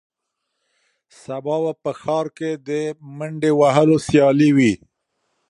سبا به په ښار کې د منډې وهلو سیالي وي.